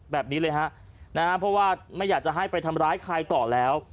เพราะว่าไม่อยากจะให้ไปทำร้ายใครต่อแล้ว